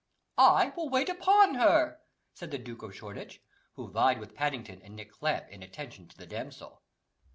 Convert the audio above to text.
"I will wait upon her," said the Duke of Shoreditch.' who vied with Paddington and Nick Clamp in attention to the damsel.